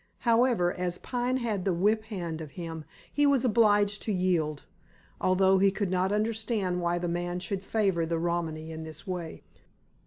However, as Pine had the whip hand of him, he was obliged to yield, although he could not understand why the man should favor the Romany in this way.